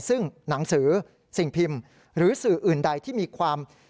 ซึ่งหนังสือสิ่งพิมพ์หรือสื่ออื่นใดที่มีความ